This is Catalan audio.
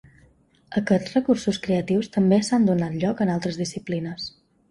Aquests recursos creatius també s’han donat lloc en altres disciplines.